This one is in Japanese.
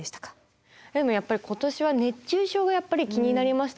でもやっぱり今年は熱中症が気になりました